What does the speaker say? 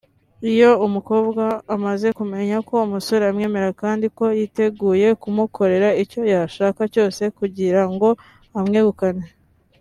Iyo umukobwa amaze kumenya ko umusore amwemera kandi ko yiteguye kumukorera icyo yashaka cyose kugira ngo amwegukane